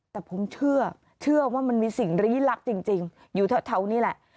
แต่ผมเชื่อเชื่อว่ามันมีสิ่งรีลักษณ์จริงอยู่เท่านี้แหละ